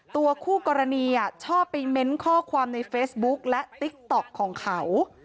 ตัวคู่กรณีชอบไปเม้นต์ข้อความในเฟซบุ๊คและติ๊กต๊อกของเขา